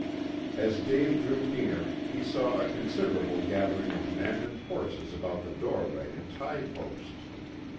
As Dave drew near he saw a considerable gathering of men and horses about the doorway and tie post.